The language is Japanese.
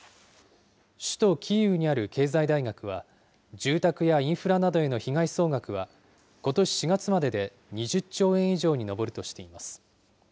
首都キーウにある経済大学は、住宅やインフラなどへの被害総額は、ことし４月までで２０兆円以上に上るとしています。